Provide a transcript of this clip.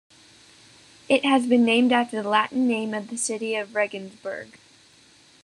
It has been named after the Latin name of the city of Regensburg.